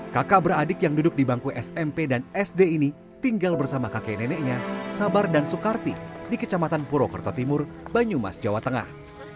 kakak beradik yang duduk di bangku smp dan sd ini tinggal bersama kakek neneknya sabar dan soekarti di kecamatan purwokerto timur banyumas jawa tengah